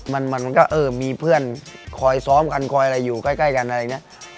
มันมันก็เออมีเพื่อนคอยซ้อมกันคอยอะไรอยู่ใกล้กันอะไรอย่างนี้